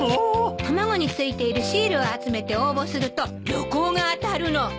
卵に付いているシールを集めて応募すると旅行が当たるの。